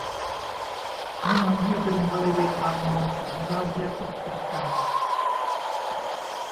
แนะนำให้ดึงบริเวณลานนม สอง ด้านแยกออกจากกัน